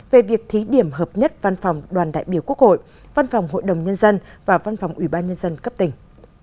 về việc thí điểm hợp nhất văn phòng đoàn đại biểu quốc hội văn phòng hội đồng nhân dân và văn phòng ủy ban nhân dân cấp tỉnh